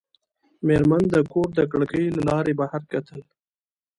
مېرمن د کور د کړکۍ له لارې بهر کتل.